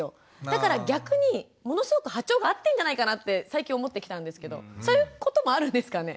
だから逆にものすごく波長が合ってんじゃないかなって最近思ってきたんですけどそういうこともあるんですかね？